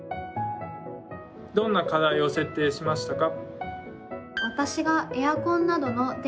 どんな課題を設定しましたか？